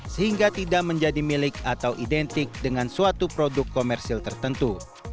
sehingga tidak menjadi milik atau identik dengan suatu produk komersil tertentu